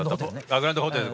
「グランドホテル」で。